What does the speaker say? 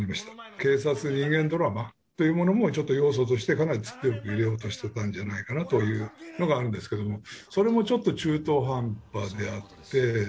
警察人間ドラマというものもちょっと要素としてかなり強く入れようとしてたんじゃないかなというのがあるんですけどもそれもちょっと中途半端であって。